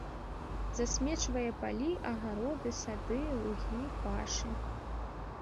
Засмечвае палі, агароды, сады, лугі, пашы.